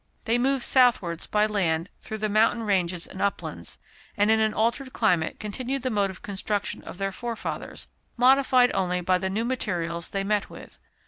They moved southwards by land along the mountain ranges and uplands, and in an altered climate continued the mode of construction of their forefathers, modified only by the new materials they met with.